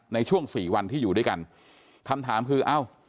ในช่วงสี่วันที่อยู่ด้วยกันคำถามคือเอ้า